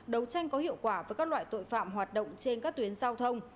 đấu tranh có hiệu quả với các loại tội phạm hoạt động trên các tuyến giao thông